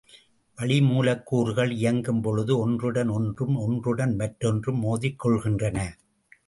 வளிமூலக்கூறுகள் இயங்கும் பொழுது ஒன்றுடன் ஒன்றும் ஒன்றுடன் மற்றொன்றும் மோதிக் கொள்கின்றன.